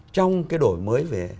trong cái đổi mới về